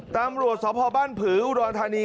ตำรวจสพบ้านผืออุดรธานี